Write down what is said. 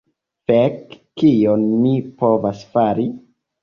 Fek! Kion mi povas fari?